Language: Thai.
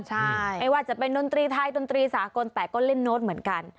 ใช่ไม่ว่าจะเป็นดนตรีไทยดนตรีสากลแต่ก็เล่นโน้ตเหมือนกัน